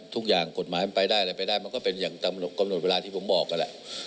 ทุกอย่างกฎหมายมันไปได้อะไรไปได้มันก็เป็นอย่างกำหนดเวลาที่ผมบอกนั่นแหละ